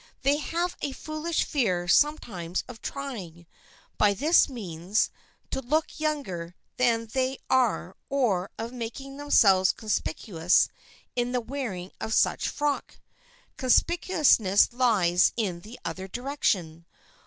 They have a foolish fear sometimes of trying, by this means, to look younger than they are or of making themselves conspicuous in the wearing of such a frock. Conspicuousness lies in the other direction.